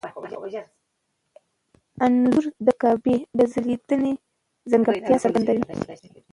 انځور د کعبې د ځلېدنې ځانګړتیا څرګندوي.